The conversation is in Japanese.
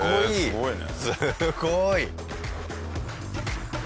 すごいね。